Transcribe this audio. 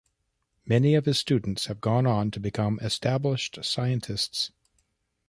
Many of his students have gone on to become established scientists.